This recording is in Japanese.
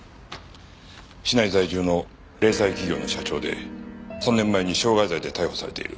市内在住の零細企業の社長で３年前に傷害罪で逮捕されている。